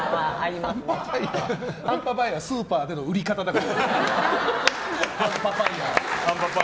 半パパイヤはスーパーでの売り方だから。